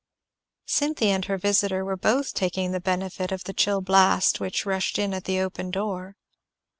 Cynthy and her visitor were both taking the benefit of the chill blast which rushed in at the open door.